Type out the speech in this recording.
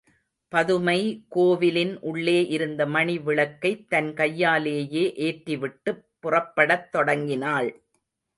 பதுமை கோவிலின் உள்ளே இருந்த மணி விளக்கைத் தன் கையாலேயே ஏற்றிவிட்டுப் புறப்படத் தொடங்கினாள்.